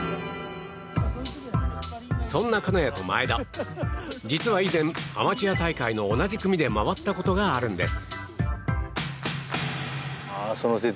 そんな金谷と前田実は以前アマチュア大会の同じ組で回ったことがあるんです。